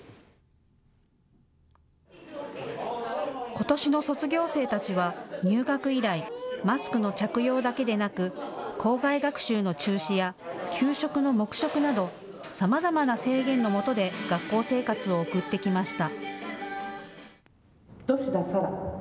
ことしの卒業生たちは入学以来、マスクの着用だけでなく校外学習の中止や給食の黙食などさまざまな制限のもとで学校生活を送ってきました。